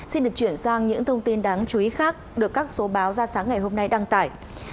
xin được chuyển sang những thông tin đáng chú ý khác được các số báo ra sáng ngày hôm nay đăng tải